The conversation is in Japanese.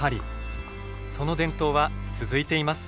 その伝統は続いています。